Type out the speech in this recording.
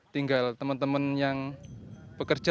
tinggal teman teman yang bekerja